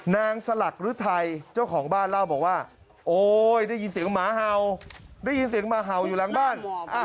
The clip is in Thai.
สลักฤทัยเจ้าของบ้านเล่าบอกว่าโอ๊ยได้ยินเสียงหมาเห่าได้ยินเสียงหมาเห่าอยู่หลังบ้าน